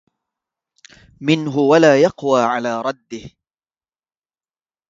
مِنه ولا يَقوى على رَدِّه